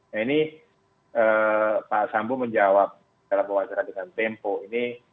nah ini pak asambu menjawab dalam wajah wajah dengan tempo ini